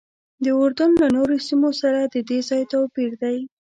د اردن له نورو سیمو سره ددې ځای توپیر دی.